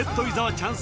チャンス